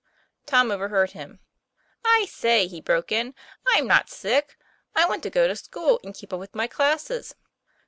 Tom overheard him. " I say," he broke in, " I'm not sick. I want to go to school, and keep up with my class."